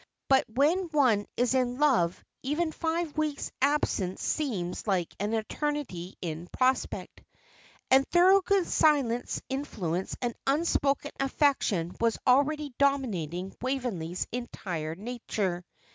But when one is in love even five weeks' absence seems like an eternity in prospect. And Thorold's silent influence and unspoken affection was already dominating Waveney's entire nature.